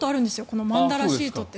このマンダラチャートって。